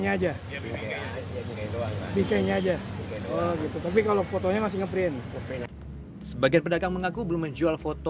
ya lah pak kita belum resmi belum takut